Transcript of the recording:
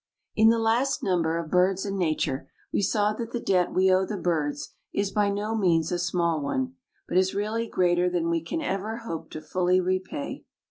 In the last number of Birds and Nature we saw that the debt we owe the birds is by no means a small one, but is really greater than we can hope ever to fully repay.